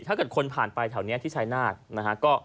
ถ้าเกิดคนผ่านไปแถวนี้ที่ชายนาฏนะฮะ